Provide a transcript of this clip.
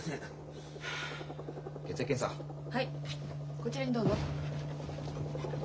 こちらにどうぞ。